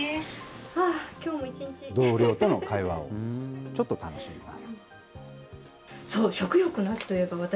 同僚との会話をちょっと楽しみます。